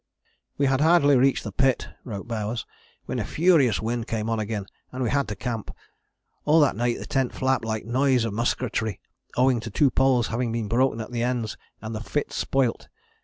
" "We had hardly reached the pit," wrote Bowers, "when a furious wind came on again and we had to camp. All that night the tent flapped like the noise of musketry, owing to two poles having been broken at the ends and the fit spoilt.